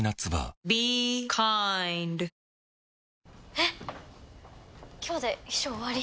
えっ今日で秘書終わり？